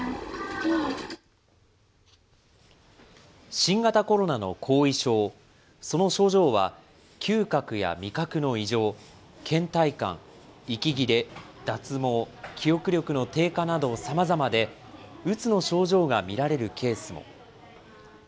新型コロナの後遺症、その症状は、嗅覚や味覚の異常、けん怠感、息切れ、脱毛、記憶力の低下などさまざまで、うつの症状が見られるケースも。